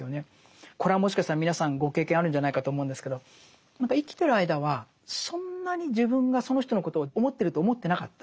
これはもしかしたら皆さんご経験あるんじゃないかと思うんですけど何か生きてる間はそんなに自分がその人のことを思ってると思ってなかった。